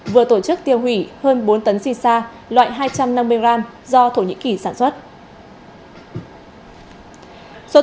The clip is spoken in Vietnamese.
vừa tổ chức tiêu hủy hơn bốn tấn xì xa loại hai trăm năm mươi gram do thổ nhĩ kỳ sản xuất